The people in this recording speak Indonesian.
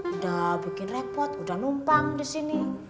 udah bikin repot udah numpang di sini